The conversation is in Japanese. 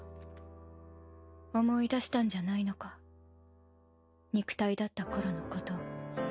思い出したんじゃないのか肉体だった頃のことを。